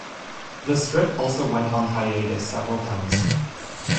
The strip also went on hiatus several times.